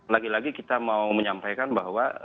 lagi lagi kita mau menyampaikan bahwa